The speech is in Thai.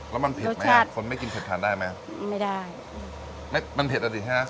แล้วมันเผ็ดไหมฮะคนไม่กินเผ็ดทานได้ไหมไม่ได้ไม่มันเผ็ดอ่ะดิใช่ไหม